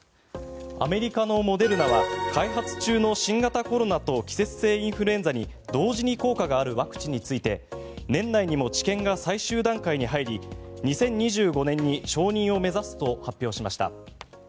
アメリカのモデルナは開発中の新型コロナと季節性インフルエンザに同時に効果があるワクチンについて年内にも治験が最終段階に入り２０２５年に承認を目指すと発表しました。